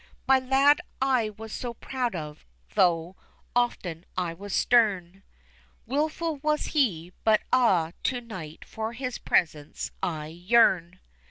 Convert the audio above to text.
My lad I was so proud of, though often I was stern, Wilful was he, but ah, to night for his presence I yearn."